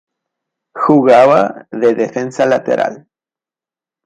Jugaba de defensa lateral.